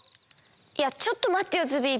いやちょっとまってよズビー。